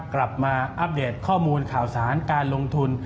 อัปเดตข้อมูลข่าวสารการลงทุน